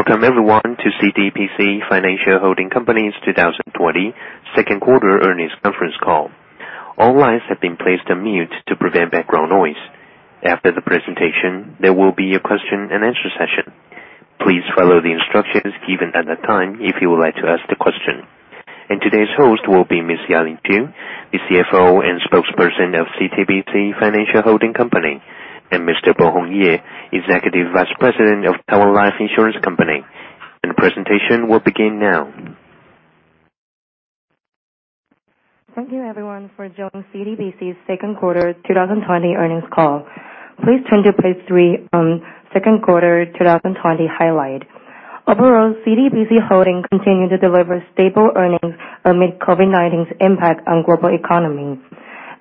Welcome everyone to CTBC Financial Holding Company's 2020 second quarter earnings conference call. All lines have been placed on mute to prevent background noise. After the presentation, there will be a question and answer session. Please follow the instructions given at that time if you would like to ask the question. Today's host will be Ms. Yaling Ku, the CFO and Spokesperson of CTBC Financial Holding Company, and Mr. Bohong Ye, Executive Vice President of our Life Insurance Company. The presentation will begin now. Thank you everyone for joining CTBC's second quarter 2020 earnings call. Please turn to page three on second quarter 2020 highlight. Overall, CTBC Holding continued to deliver stable earnings amid COVID-19's impact on global economy.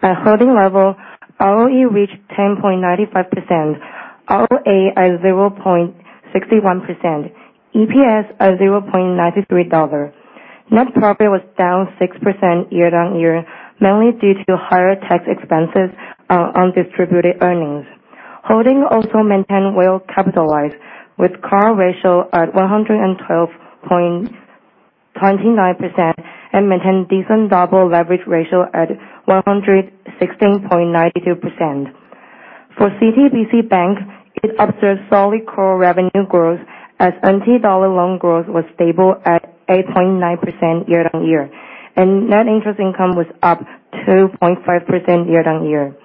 At holding level, ROE reached 10.95%, ROA at 0.61%, EPS at 0.93 dollar. Net profit was down 6% year-on-year, mainly due to higher tax expenses on distributed earnings. Holding also maintained well capitalized, with CAR ratio at 112.29% and maintained decent double leverage ratio at 116.92%. For CTBC Bank, it observed solid core revenue growth as NT dollar loan growth was stable at 8.9% year-on-year, and net interest income was up 2.5% year-on-year.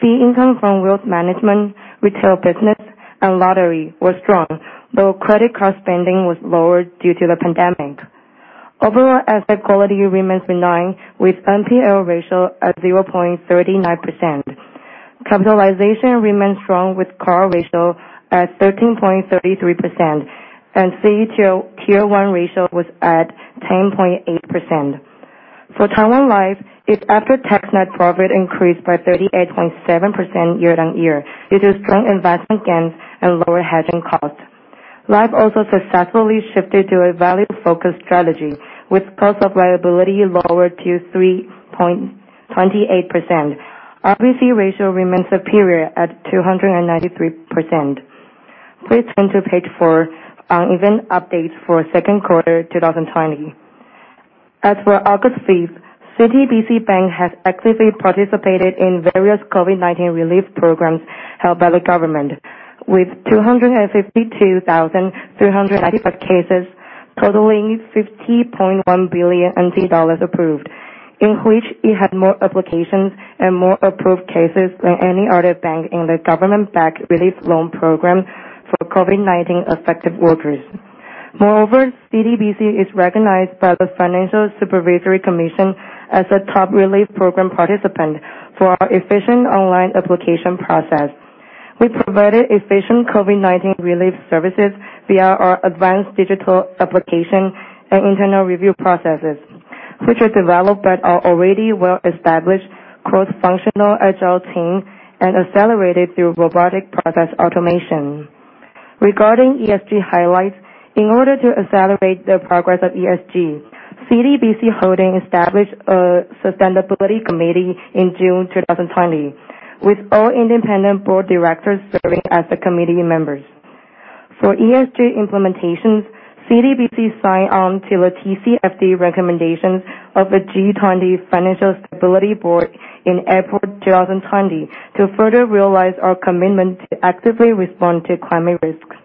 Fee income from wealth management, retail business, and lottery were strong, though credit card spending was lower due to the pandemic. Overall asset quality remains benign, with NPL ratio at 0.39%. Capitalization remains strong, with CAR ratio at 13.33%, and CET1 Tier 1 ratio was at 10.8%. For Taiwan Life, its after-tax net profit increased by 38.7% year-on-year due to strong investment gains and lower hedging costs. Life also successfully shifted to a value-focused strategy, with cost of liability lower to 3.28%. RBC ratio remains superior at 293%. Please turn to page four on event updates for second quarter 2020. As for August 5th, CTBC Bank has actively participated in various COVID-19 relief programs held by the government, with 252,395 cases totaling 50.1 billion approved, in which it had more applications and more approved cases than any other bank in the Government-Backed Relief Loan Program for COVID-19 Affected Workers. Moreover, CTBC is recognized by the Financial Supervisory Commission as a top relief program participant for our efficient online application process. We provided efficient COVID-19 relief services via our advanced digital application and internal review processes, which were developed at our already well-established cross-functional agile team and accelerated through robotic process automation. Regarding ESG highlights, in order to accelerate the progress of ESG, CTBC Holding established a sustainability committee in June 2020, with all independent board directors serving as the committee members. For ESG implementations, CTBC signed on to the TCFD recommendations of the G20 Financial Stability Board in April 2020 to further realize our commitment to actively respond to climate risks.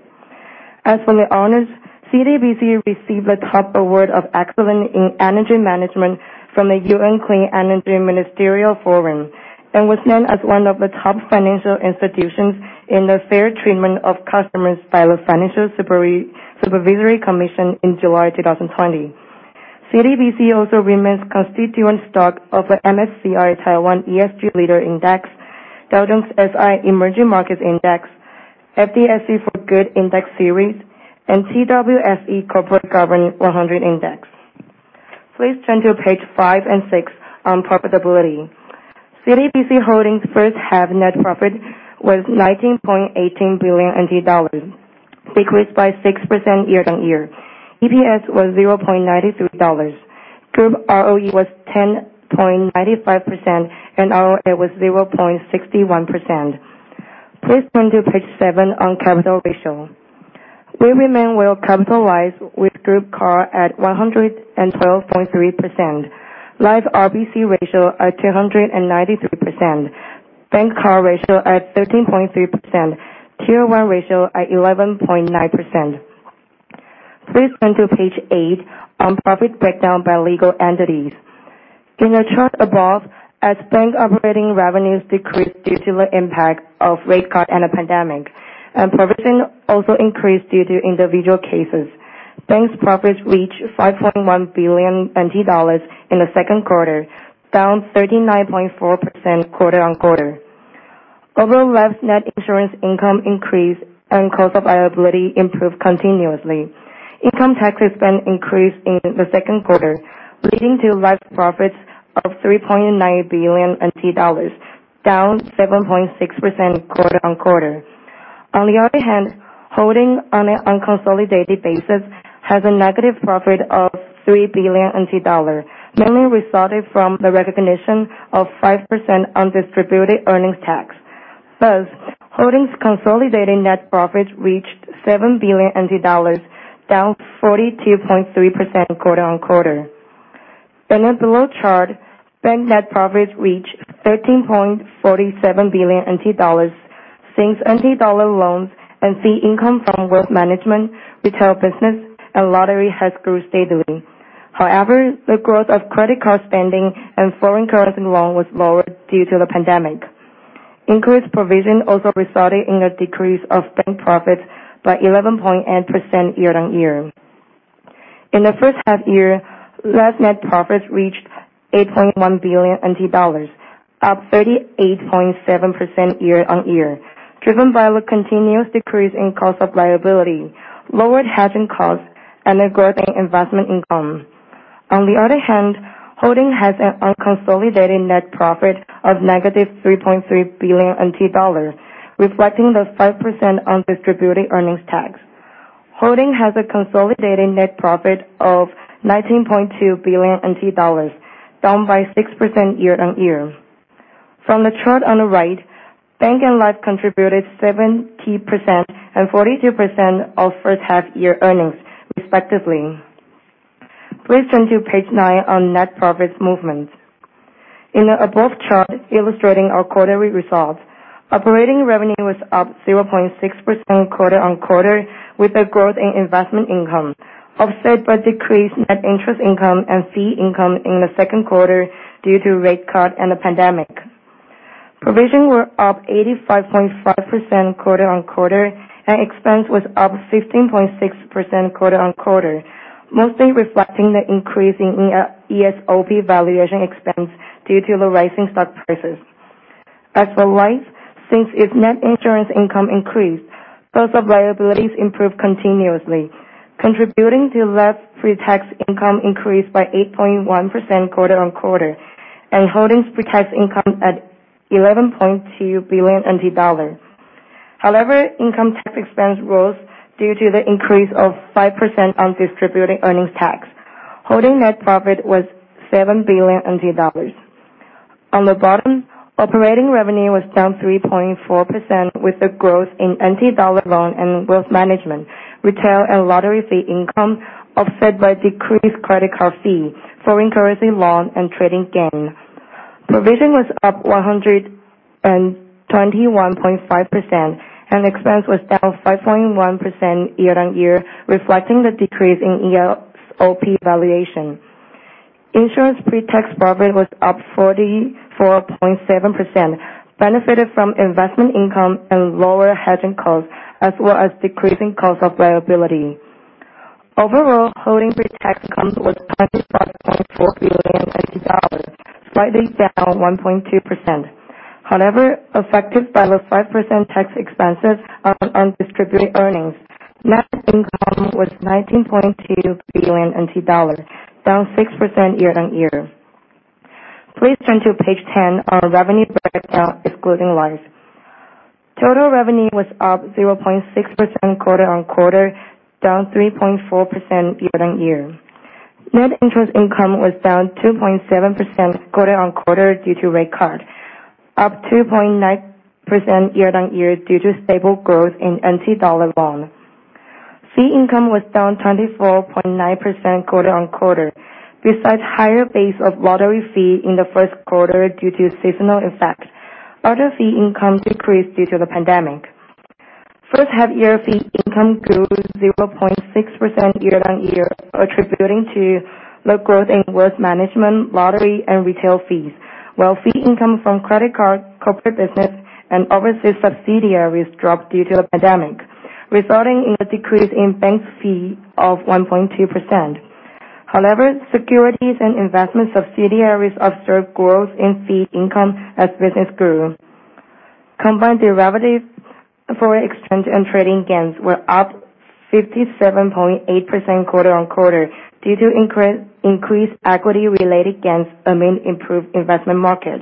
As for the honors, CTBC received the top award of excellence in energy management from the UN Clean Energy Ministerial Forum, and was named as one of the top financial institutions in the fair treatment of customers by the Financial Supervisory Commission in July 2020. CTBC also remains constituent stock of the MSCI Taiwan ESG Leaders Index, Dow Jones Sustainability Emerging Markets Index, FTSE4Good Index Series, and TWSE Corporate Governance 100 Index. Please turn to page five and six on profitability. CTBC Holding's first half net profit was 19.18 billion dollars, decreased by 6% year-on-year. EPS was 0.93 dollars. Group ROE was 10.95%, and ROA was 0.61%. Please turn to page seven on capital ratio. We remain well capitalized with group CAR at 112.3%, Life RBC ratio at 293%, Bank CAR ratio at 13.3%, Tier 1 ratio at 11.9%. Please turn to page eight on profit breakdown by legal entities. In the chart above, as bank operating revenues decreased due to the impact of rate cut and the pandemic, and provision also increased due to individual cases. Bank's profits reached 5.1 billion NT dollars in the second quarter, down 39.4% quarter-on-quarter. Overall Life's net insurance income increased, cost of liability improved continuously. Income taxes increased in the second quarter, leading to Life profits of 3.9 billion, down 7.6% quarter-on-quarter. On the other hand, Holding on an unconsolidated basis has a negative profit of 3 billion NT dollars, mainly resulted from the recognition of 5% undistributed earnings tax. Holding's consolidating net profit reached 7 billion, down 42.3% quarter-on-quarter. In the below chart, bank net profit reached 13.47 billion NT dollars, since NT dollar loans and fee income from wealth management, retail business and lottery has grew steadily. However, the growth of credit card spending and foreign currency loan was lower due to the pandemic. Increased provision also resulted in a decrease of bank profits by 11.8% year-on-year. In the first half year, Life's net profits reached 8.1 billion NT dollars, up 38.7% year-on-year, driven by the continuous decrease in cost of liability, lowered hedging costs, and a growth in investment income. On the other hand, Holding has an unconsolidated net profit of negative 3.3 billion NT dollars, reflecting the 5% undistributed earnings tax. Holding has a consolidated net profit of 19.2 billion, down by 6% year-on-year. From the chart on the right, Bank and Life contributed 70% and 42% of first half year earnings, respectively. Please turn to page nine on net profits movements. In the above chart illustrating our quarterly results, operating revenue was up 0.6% quarter-on-quarter, with a growth in investment income, offset by decreased net interest income and fee income in the second quarter due to rate cut and the pandemic. Provisions were up 85.5% quarter-on-quarter, and expense was up 15.6% quarter-on-quarter, mostly reflecting the increase in ESOP valuation expense due to the rising stock prices. As for Life, since its net insurance income increased, cost of liability improved continuously, contributing to less pre-tax income increase by 8.1% quarter-on-quarter, and Holding's pre-tax income at 11.2 billion NT dollars. Income tax expense rose due to the increase of 5% undistributed earnings tax. Holding net profit was 7 billion. On the bottom, operating revenue was down 3.4% with the growth in NT dollar loans and wealth management, retail, and lottery fee income offset by decreased credit card fee, foreign currency loan, and trading gain. Provision was up 121.5%, and expense was down 5.1% year-on-year, reflecting the decrease in ESOP valuation. Insurance pre-tax profit was up 44.7%, benefited from investment income and lower hedging costs, as well as decreasing cost of liability. Overall, Holding pre-tax income was 25.4 billion dollars, slightly down 1.2%. However, affected by the 5% tax expenses on undistributed earnings, net income was 19.2 billion, down 6% year-on-year. Please turn to page 10, our revenue breakdown excluding Life. Total revenue was up 0.6% quarter-on-quarter, down 3.4% year-on-year. Net interest income was down 2.7% quarter-on-quarter due to rate cut. Up 2.9% year-on-year due to stable growth in NT dollar loans. Fee income was down 24.9% quarter-on-quarter. Besides higher base of lottery fee in the first quarter due to seasonal effect, other fee income decreased due to the pandemic. First half year fee income grew 0.6% year-on-year, attributing to the growth in wealth management, lottery, and retail fees, while fee income from credit card, corporate business, and overseas subsidiaries dropped due to the pandemic, resulting in a decrease in bank fee of 1.2%. However, securities and investment subsidiaries observed growth in fee income as business grew. Combined derivative foreign exchange and trading gains were up 57.8% quarter-on-quarter due to increased equity related gains amid improved investment market.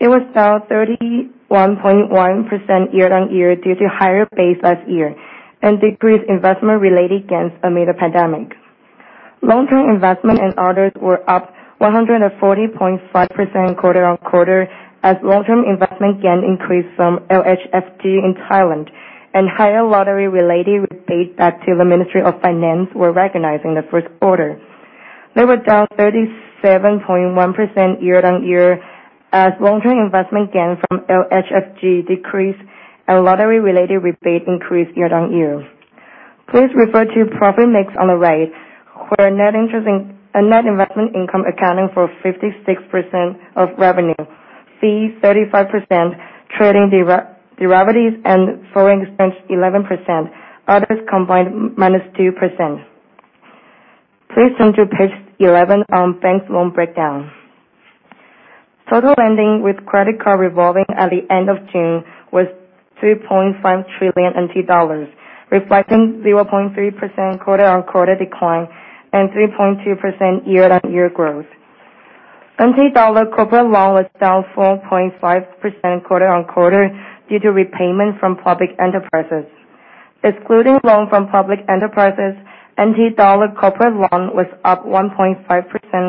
It was down 31.1% year-on-year due to higher base last year and decreased investment related gains amid the pandemic. Long-term investment and others were up 140.5% quarter-on-quarter as long-term investment gain increased from LHFG in Thailand and higher lottery related rebate back to the Ministry of Finance were recognized in the first quarter. They were down 37.1% year-on-year as long-term investment gain from LHFG decreased and lottery related rebate increased year-on-year. Please refer to profit mix on the right where net investment income accounting for 56% of revenue. Fee, 35%, trading derivatives and foreign exchange, 11%. Others combined, -2%. Please turn to page 11 on bank loan breakdown. Total lending with credit card revolving at the end of June was 3.5 trillion, reflecting 0.3% quarter-on-quarter decline and 3.2% year-on-year growth. NT dollar corporate loan was down 4.5% quarter-on-quarter due to repayment from public enterprises. Excluding loans from public enterprises, NT dollar corporate loan was up 1.5%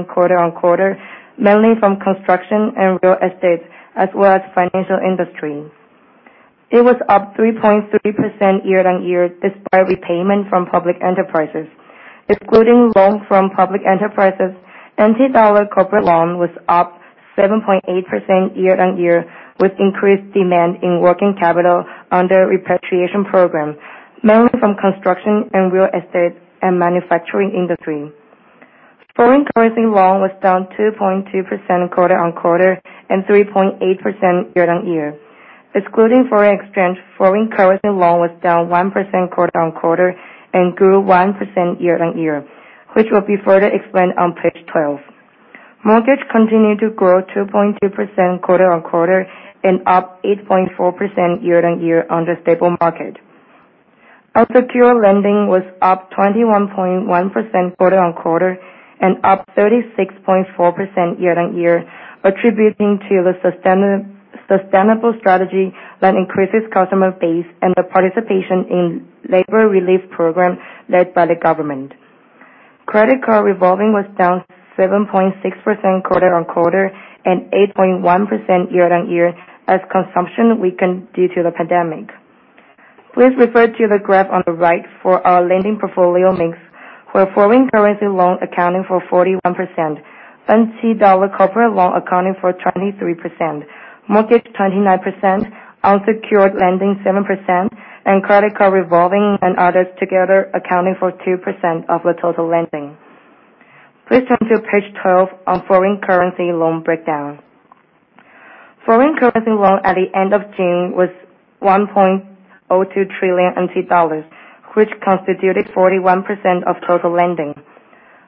quarter-on-quarter, mainly from construction and real estate, as well as financial industry. It was up 3.3% year-on-year, despite repayment from public enterprises. Excluding loans from public enterprises, NT dollar corporate loan was up 7.8% year-on-year with increased demand in working capital under repatriation program, mainly from construction and real estate and manufacturing industry. Foreign currency loan was down 2.2% quarter-on-quarter and 3.8% year-on-year. Excluding foreign exchange, foreign currency loan was down 1% quarter-on-quarter and grew 1% year-on-year, which will be further explained on page 12. Mortgage continued to grow 2.2% quarter-on-quarter and up 8.4% year-on-year on the stable market. Our secure lending was up 21.1% quarter-on-quarter and up 36.4% year-on-year, attributing to the sustainable strategy that increases customer base and the participation in labor relief program led by the government. Credit card revolving was down 7.6% quarter-on-quarter and 8.1% year-on-year as consumption weakened due to the pandemic. Please refer to the graph on the right for our lending portfolio mix, where foreign currency loan accounting for 41%, NT dollar corporate loan accounting for 23%, mortgage 29%, unsecured lending 7%, and credit card revolving and others together accounting for 2% of the total lending. Please turn to page 12 on foreign currency loan breakdown. Foreign currency loan at the end of June was 1.02 trillion NT dollars, which constituted 41% of total lending.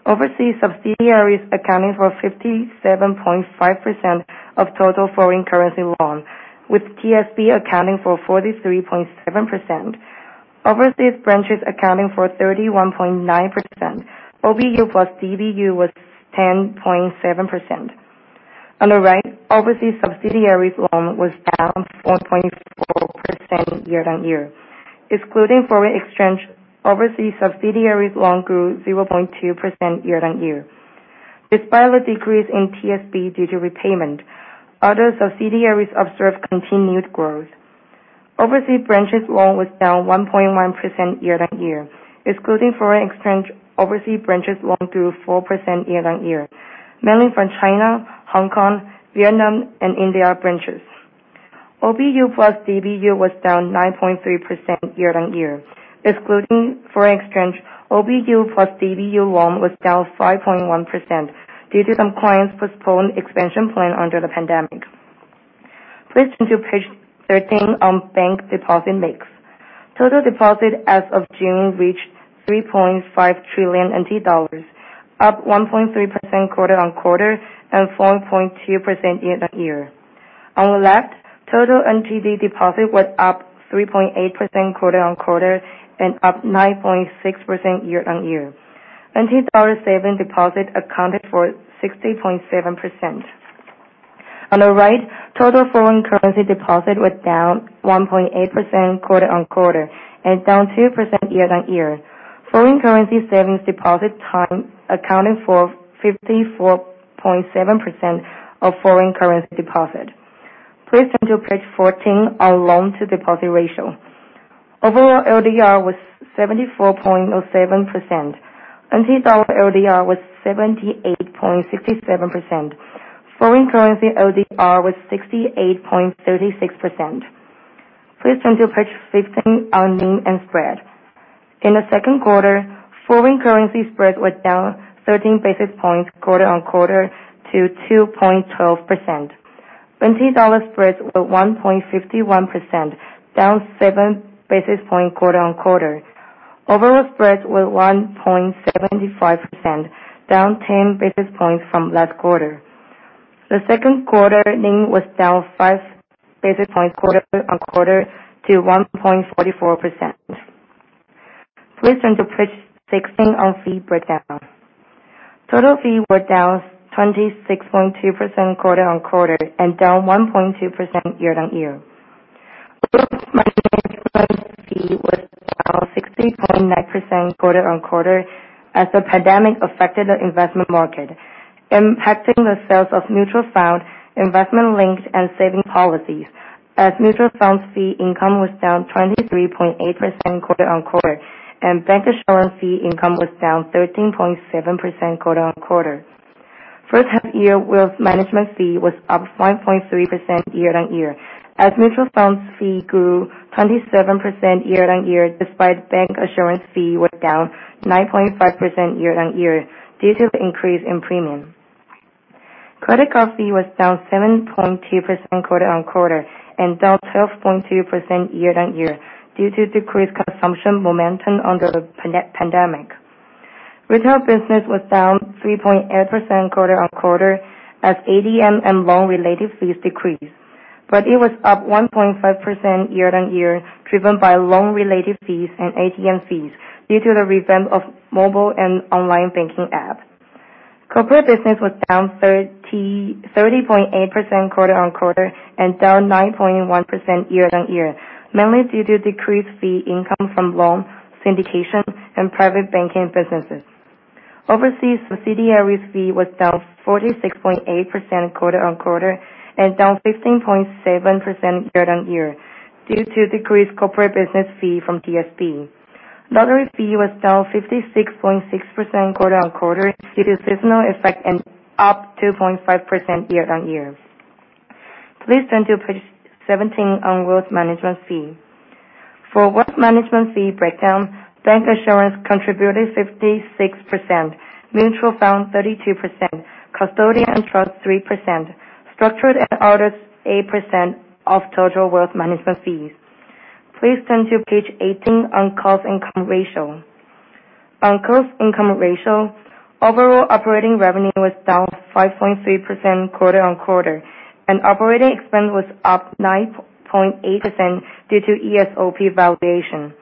Overseas subsidiaries accounting for 57.5% of total foreign currency loan, with TSB accounting for 43.7%, overseas branches accounting for 31.9%, OBU plus DBU was 10.7%. On the right, overseas subsidiaries loan was down 4.4% year-on-year. Excluding foreign exchange, overseas subsidiaries loan grew 0.2% year-on-year. Despite the decrease in TSB due to repayment, other subsidiaries observed continued growth. Overseas branches loan was down 1.1% year-on-year. Excluding foreign exchange, overseas branches loan grew 4% year-on-year, mainly from China, Hong Kong, Vietnam, and India branches. OBU plus DBU was down 9.3% year-on-year. Excluding foreign exchange, OBU plus DBU loan was down 5.1% due to some clients postponing expansion plan under the pandemic. Please turn to page 13 on bank deposit mix. Total deposit as of June reached 3.5 trillion NT dollars, up 1.3% quarter-on-quarter and 4.2% year-on-year. On the left, total NTD deposit was up 3.8% quarter-on-quarter and up 9.6% year-on-year. NT dollar savings deposit accounted for 60.7%. On the right, total foreign currency deposit was down 1.8% quarter-on-quarter and down 2% year-on-year. Foreign currency savings deposit time accounting for 54.7% of foreign currency deposit. Please turn to page 14 on loan-to-deposit ratio. Overall LDR was 74.07%. NT dollar LDR was 78.67%. Foreign currency LDR was 68.36%. Please turn to page 15 on NIM and spread. In the second quarter, foreign currency spread was down 13 basis points quarter-on-quarter to 2.12%. NT dollar spreads were 1.51%, down seven basis points quarter-on-quarter. Overall spreads were 1.75%, down 10 basis points from last quarter. The second quarter NIM was down five basis points quarter-on-quarter to 1.44%. Please turn to page 16 on fee breakdown. Total fee were down 26.2% quarter-on-quarter and down 1.2% year-on-year. Fee was down 60.9% quarter-on-quarter as the pandemic affected the investment market, impacting the sales of mutual fund, investment-linked and savings policies, as mutual funds fee income was down 23.8% quarter-on-quarter, and bank assurance fee income was down 13.7% quarter-on-quarter. First half-year wealth management fee was up 5.3% year-on-year, as mutual funds fee grew 27% year-on-year, despite bank assurance fee was down 9.5% year-on-year due to increase in premium. Credit card fee was down 7.2% quarter-on-quarter and down 12.2% year-on-year due to decreased consumption momentum under the pandemic. Retail business was down 3.8% quarter-on-quarter as ATM and loan related fees decreased. It was up 1.5% year-on-year, driven by loan-related fees and ATM fees due to the revamp of mobile and online banking app. Corporate business was down 30.8% quarter-on-quarter and down 9.1% year-on-year, mainly due to decreased fee income from loan syndication and private banking businesses. Overseas facility fees was down 46.8% quarter-on-quarter and down 15.7% year-on-year due to decreased corporate business fee from TSB. Lottery fee was down 56.6% quarter-on-quarter due to seasonal effect and up 2.5% year-on-year. Please turn to page 17 on wealth management fee. For wealth management fee breakdown, bank assurance contributed 56%, mutual fund 32%, custodian and trust 3%, structured and others 8% of total wealth management fees. Please turn to page 18 on cost income ratio. On cost income ratio, overall operating revenue was down 5.3% quarter-on-quarter, and operating expense was up 9.8% due to ESOP valuation.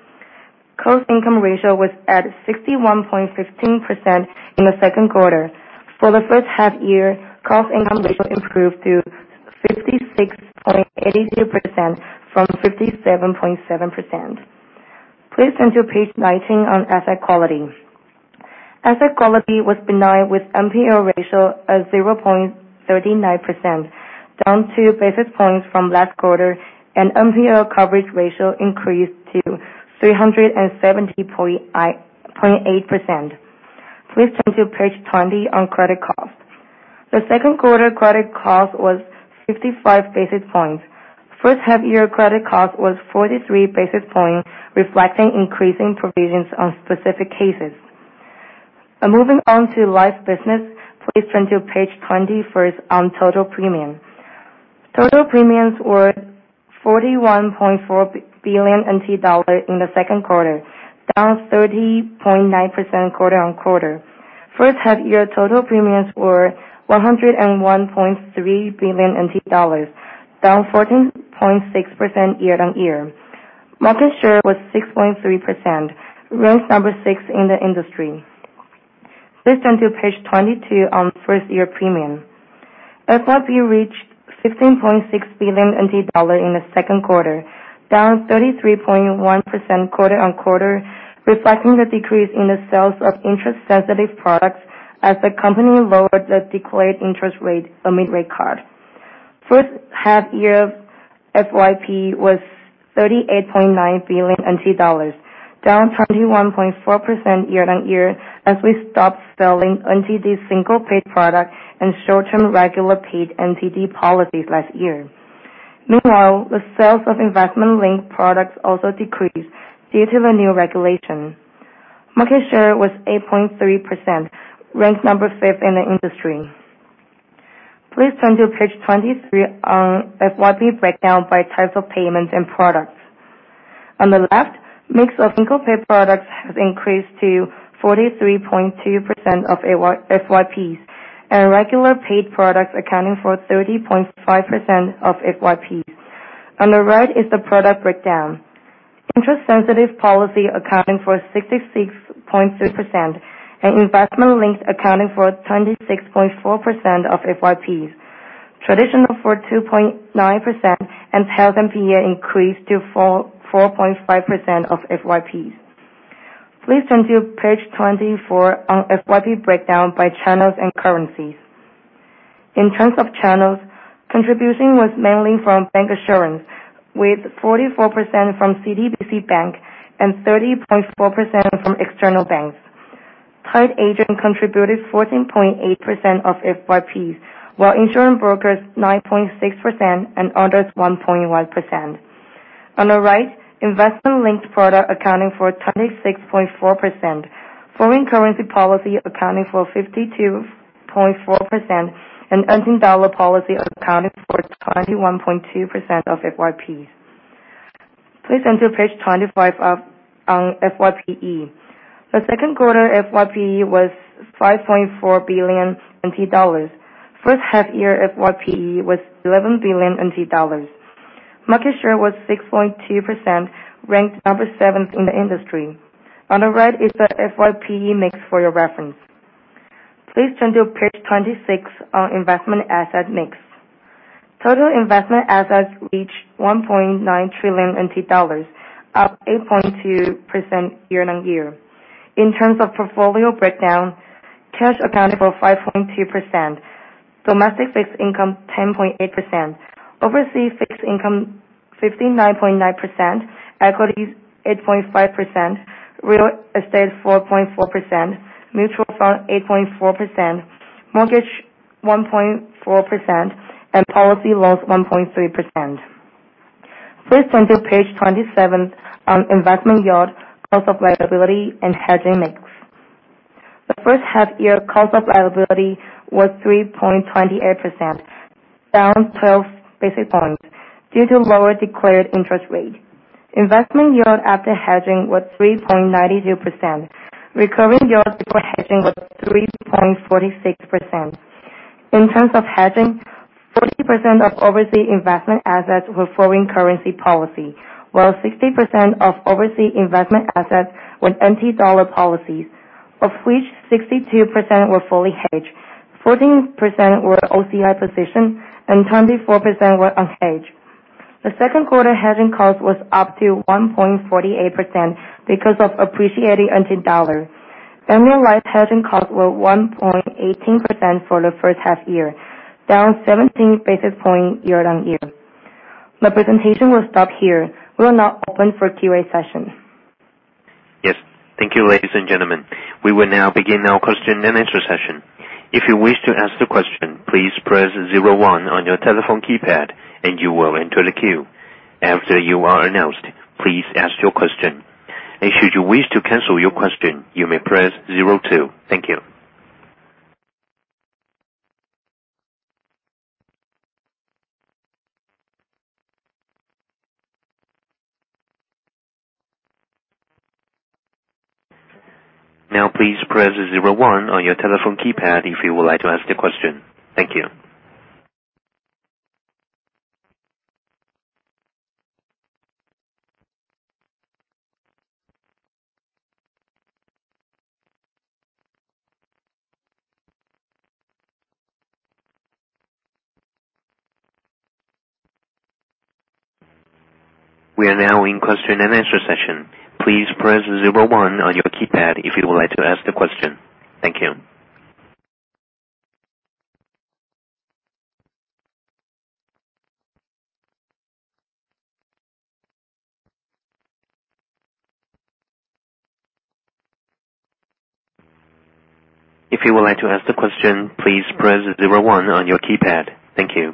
Cost income ratio was at 61.15% in the second quarter. For the first half-year, cost income ratio improved to 56.82% from 57.7%. Please turn to page 19 on asset quality. Asset quality was benign with NPL ratio at 0.39%, down two basis points from last quarter, and NPL coverage ratio increased to 370.8%. Please turn to page 20 on credit cost. The second quarter credit cost was 55 basis points. First half-year credit cost was 43 basis points, reflecting increasing provisions on specific cases. Moving on to life business, please turn to page 21 on total premium. Total premiums were NTD 41.4 billion in the second quarter, down 30.9% quarter-on-quarter. First half-year total premiums were NTD 101.3 billion, down 14.6% year-on-year. Market share was 6.3%, ranked number six in the industry. Please turn to page 22 on first-year premium. FYP reached NTD 15.6 billion in the second quarter, down 33.1% quarter-on-quarter, reflecting the decrease in the sales of interest-sensitive products as the company lowered the declared interest rate amid rate cut. First half-year FYP was NTD 38.9 billion, down 21.4% year-on-year, as we stopped selling NTD single-paid product and short-term regular paid NTD policies last year. Meanwhile, the sales of investment-linked products also decreased due to the new regulation. Market share was 8.3%, ranked number fifth in the industry. Please turn to page 23 on FYP breakdown by types of payments and products. On the left, mix of single-paid products has increased to 43.2% of FYPs, and regular paid products accounting for 30.5% of FYPs. On the right is the product breakdown. Interest-sensitive policy accounting for 66.3%, and investment-linked accounting for 26.4% of FYPs. Traditional for 2.9% and health PA increased to 4.5% of FYPs. Please turn to page 24 on FYP breakdown by channels and currencies. In terms of channels, contribution was mainly from bank assurance, with 44% from CTBC Bank and 30.4% from external banks. Paid agent contributed 14.8% of FYPs, while insurance brokers 9.6% and others 1.1%. On the right, investment-linked product accounting for 26.4%, foreign currency policy accounting for 52.4%, and NT dollar policy accounting for 21.2% of FYPs. Please turn to page 25 on FYPE. The second quarter FYPE was NTD 5.4 billion. First half-year FYPE was NTD 11 billion. Market share was 6.2%, ranked number seventh in the industry. On the right is the FYPE mix for your reference. Please turn to page 26 on investment asset mix. Total investment assets reached NTD 1.9 trillion, up 8.2% year-on-year. In terms of portfolio breakdown, cash accounted for 5.2%, domestic fixed income 10.8%, overseas fixed income 59.9%, equities 8.5%, real estate 4.4%, mutual fund 8.4%, mortgage 1.4%, and policy loans 1.3%. Please turn to page 27 on investment yield, cost of liability, and hedging mix. The first half-year cost of liability was 3.28%, down 12 basis points due to lower declared interest rate. Investment yield after hedging was 3.92%. Recurring yield before hedging was 3.46%. In terms of hedging, 40% of overseas investment assets were foreign currency policy, while 60% of overseas investment assets were NT dollar policies, of which 62% were fully hedged, 14% were OCI position, and 24% were unhedged. The second quarter hedging cost was up to 1.48% because of appreciating NT dollar. Annualized hedging costs were 1.18% for the first half year, down 17 basis points year-on-year. My presentation will stop here. We will now open for Q&A session. Yes. Thank you, ladies and gentlemen. We will now begin our question and answer session. If you wish to ask the question, please press zero one on your telephone keypad and you will enter the queue. After you are announced, please ask your question. Should you wish to cancel your question, you may press zero two. Thank you. Please press zero one on your telephone keypad if you would like to ask a question. Thank you. We are now in question and answer session. Please press zero one on your keypad if you would like to ask a question. Thank you. If you would like to ask the question, please press zero one on your keypad. Thank you.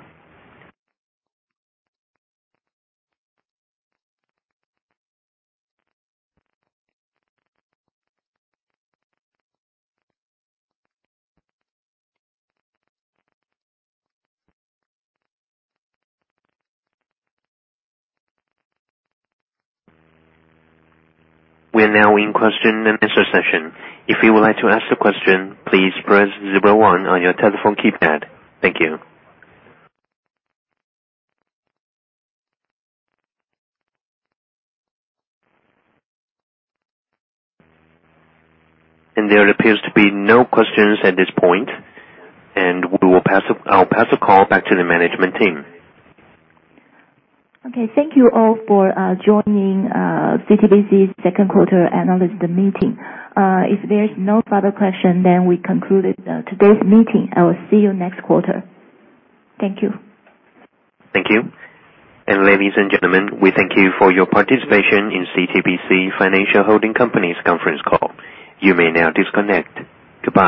We are now in question and answer session. If you would like to ask a question, please press zero one on your telephone keypad. Thank you. There appears to be no questions at this point, I'll pass the call back to the management team. Okay. Thank you all for joining CTBC's second quarter analyst meeting. If there is no further question, we concluded today's meeting. I will see you next quarter. Thank you. Thank you. Ladies and gentlemen, we thank you for your participation in CTBC Financial Holding Company's conference call. You may now disconnect. Goodbye.